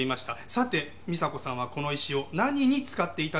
さて美沙子さんはこの石を何に使っていたでしょうか？